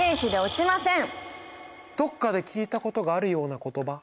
どっかで聞いたことがあるような言葉。